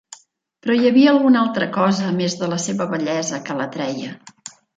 Però hi havia alguna altra cosa a més de la seva bellesa que l'atreia.